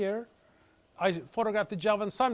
saya menggambarkan burung matahari jelvan